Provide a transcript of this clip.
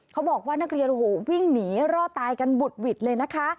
เขาบอกว่านักเรียนโอ้โหวิ่งหนีรอดตายกันบุดหวิดเลยนะคะ